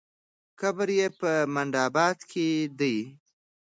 قبر یې په منډآباد کې دی.